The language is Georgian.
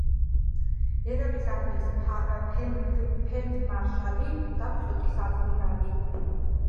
ერაყის არმიის ფელდმარშალი და ფლოტის ადმირალი.